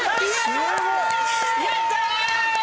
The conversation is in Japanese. やったー！